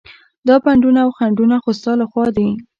دا بندونه او خنډونه خو ستا له خوا دي.